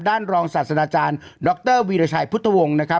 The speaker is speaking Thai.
รองศาสตราจารย์ดรวีรชัยพุทธวงศ์นะครับ